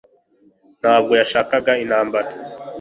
ntabwo yashakaga intambara